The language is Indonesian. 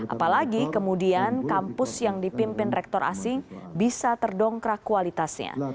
apalagi kemudian kampus yang dipimpin rektor asing bisa terdongkrak kualitasnya